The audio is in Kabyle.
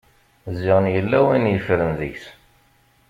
Ziɣen yella wayen yeffren deg-s.